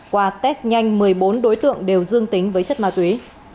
qua test nhanh một mươi bốn đối tượng đều dương tính với chất ma túy